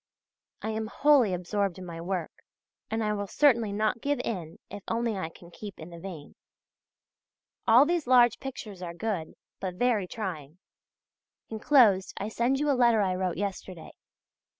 I am wholly absorbed in my work, and I will certainly not give in if only I can keep in the vein. All these large pictures are good, but very trying. Enclosed I send you a letter I wrote yesterday.